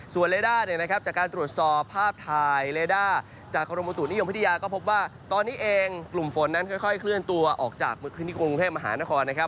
ส่วนเรด้าเนี่ยนะครับ